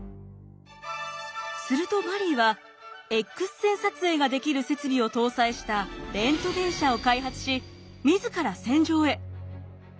するとマリーはＸ線撮影ができる設備を搭載したレントゲン車を開発し自ら戦場へ。